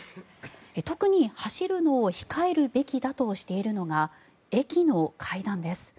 特に、走るのを控えるべきだとしているのが駅の階段です。